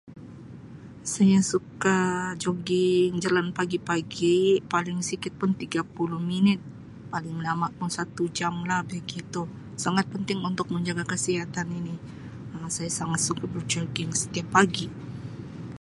Saya suka jogging, jalan pagi-pagi paling sikit pun tiga puluh minit, paling lama pun satu jam lah begitu, sangat penting untuk menjaga kesihatan ini Um saya sangat suka berjogging setiap pagi.